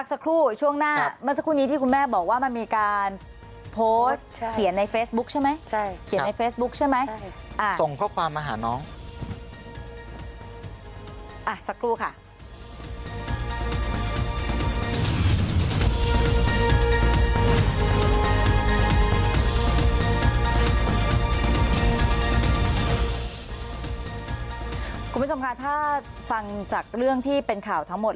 คุณผู้ผู้ผู้ชมค่ะถ้าฟังจากเรื่องที่เป็นข่าวทั้งหมด